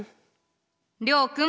諒君！